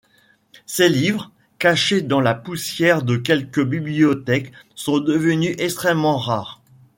Ses livres, cachés dans la poussière de quelques bibliothèques, sont devenus extrêmement rares.